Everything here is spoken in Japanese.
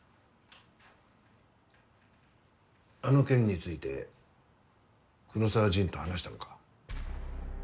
あの件について黒澤仁と話したのか。